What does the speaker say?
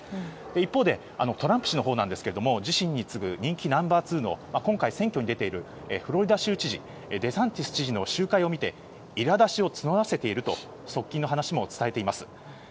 一方でトランプ氏のほうなんですが自身に次ぐ人気ナンバー２の今回選挙に出ているフロリダ州知事デサンティス知事の集会を見ていら立ちを募らせていると側近の話を伝えています。